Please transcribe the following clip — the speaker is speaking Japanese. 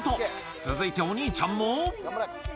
続いてお兄ちゃんも。